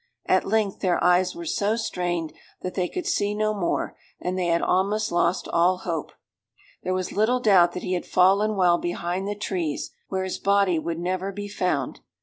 At length their eyes were so strained that they could see no more; and they had almost lost all hope. There was little doubt that he had fallen while behind the trees, where his body would never be found.